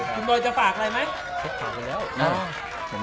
คุณโดยจะฝากใครไหม